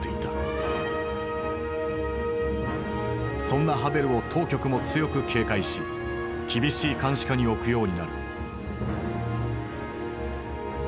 そんなハヴェルを当局も強く警戒し厳しい監視下に置くようになる。